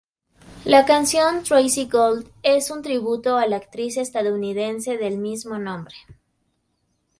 La canción "Tracey Gold" es un tributo a la actriz estadounidense del mismo nombre.